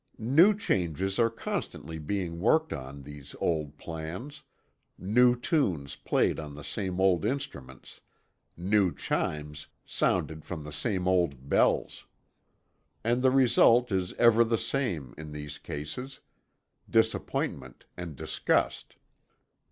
New changes are constantly being worked on these old plans; new tunes played on the same old instruments; new chimes sounded from the same old bells. And the result is ever the same, in these cases disappointment and disgust.